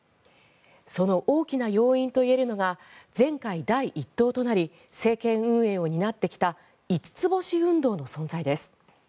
その大きな要因といえるのが前回、第１党となり政権運営を担ってきた五つ星運動の存在です。